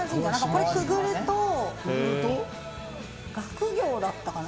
これをくぐると、学業だったかな。